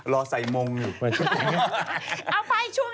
รอไซมงอยู่